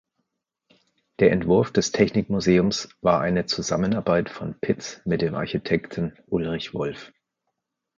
Der Entwurf des Technikmuseums war eine Zusammenarbeit von Pitz mit dem Architekten Ulrich Wolff.